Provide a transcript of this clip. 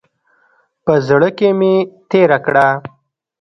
په زړه کې مې تېره کړه.